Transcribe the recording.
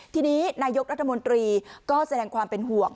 ทีนี้นายกรัฐมนตรีก็แสดงความเป็นห่วง